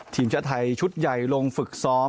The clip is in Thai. ทีมชาติไทยชุดใหญ่ลงฝึกซ้อม